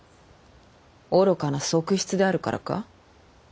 愚かな側室であるからか？